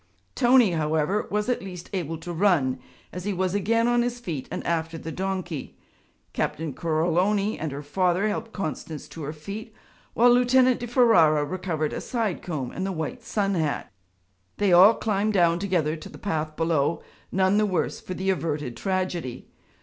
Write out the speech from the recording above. Tony however was at least able to run, as he was again on his feet and after the donkey. Captain Coroloni and her father helped Constance to her feet while Lieutenant di Ferara recovered a side comb and the white sun hat. They all climbed down together to the path below, none the worse for the averted tragedy.